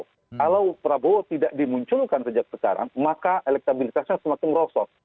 kalau prabowo tidak dimunculkan sejak sekarang maka elektabilitasnya semakin merosot